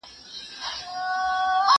زه بايد انځور وګورم!